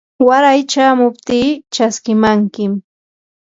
waray chamuptii chaskimankim.